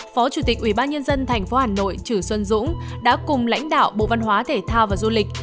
phó chủ tịch ubnd tp hà nội trữ xuân dũng đã cùng lãnh đạo bộ văn hóa thể thao và du lịch